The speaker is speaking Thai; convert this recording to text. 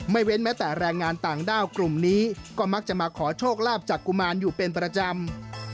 เว้นแม้แต่แรงงานต่างด้าวกลุ่มนี้ก็มักจะมาขอโชคลาภจากกุมารอยู่เป็นประจำ